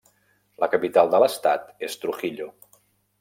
La capital de l'estat és Trujillo.